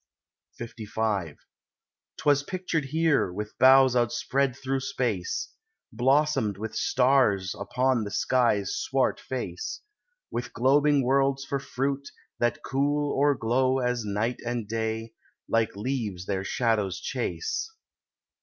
LV 'Twas pictured here—with boughs outspread thro' space, Blossomed with stars upon the sky's swart face, With globing worlds for fruit, that cool or glow As night and day, like leaves their shadows chase.